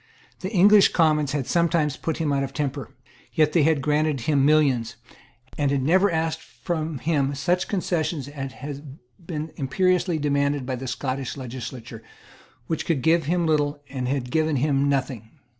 The English Commons had sometimes put him out of temper. Yet they had granted him millions, and had never asked from him such concessions as had been imperiously demanded by the Scottish legislature, which could give him little and had given him nothing.